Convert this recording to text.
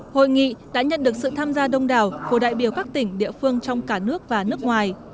hội nghị đã nhận được sự tham gia đông đảo của đại biểu các tỉnh địa phương trong cả nước và nước ngoài